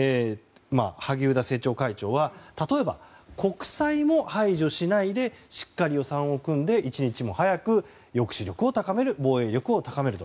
萩生田政調会長は例えば、国債も排除しないでしっかり予算を組んで一日も早く抑止力を高める防衛力を高めると。